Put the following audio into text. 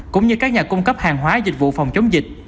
cũng như các nhà cung cấp hàng hóa dịch vụ phòng chống dịch